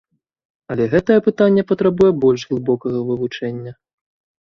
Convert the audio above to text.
Але гэтае пытанне патрабуе больш глыбокага вывучэння.